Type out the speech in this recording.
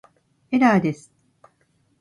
エラーです